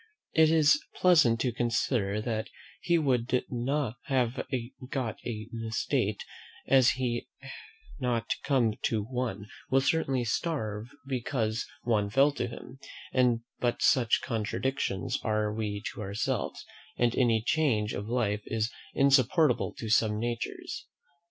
It is pleasant to consider, that he who would have got an estate, had he not come to one, will certainly starve because one fell to him; but such contradictions are we to ourselves, and any change of life is insupportable to some natures.